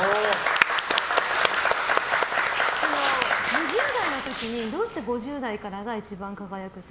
２０代の時にどうして５０代からが一番輝くと？